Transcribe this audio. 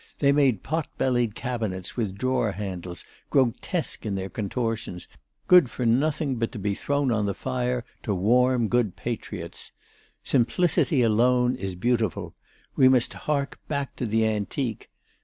They made pot bellied cabinets with drawer handles grotesque in their contortions, good for nothing but to be thrown on the fire to warm good patriots. Simplicity alone is beautiful. We must hark back to the antique.